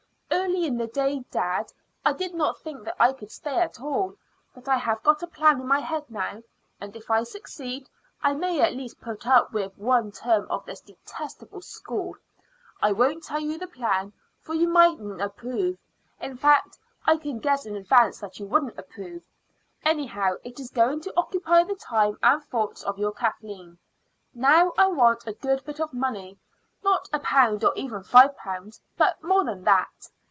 Early in the day, dad, I did not think that I could stay at all; but I have got a plan in my head now, and if I succeed I may at least put up with one term of this detestable school. I won't tell you the plan, for you mightn't approve; in fact, I can guess in advance that you wouldn't approve. Anyhow, it is going to occupy the time and thoughts of your Kathleen. Now I want a good bit of money; not a pound or even five pounds, but more than that.